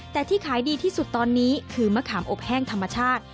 แต่ที่ขายดีที่สุดตอนนี้คือมะขามอบแห้งธรรมชาติ